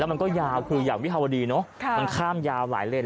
มันก็ยาวคืออย่างวิภาวดีเนอะมันข้ามยาวหลายเลน